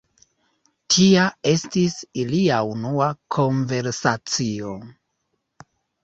Tia estis ilia unua konversacio.